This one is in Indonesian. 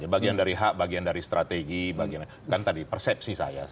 bagian dari hak bagian dari strategi bagian kan tadi persepsi saya